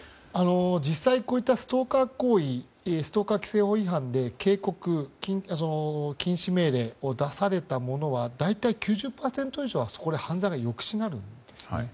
実際、こういったストーカー行為ストーカー規制法で警告、禁止命令を出された者は大体９０％以上がそこで犯罪が抑止になるんですね。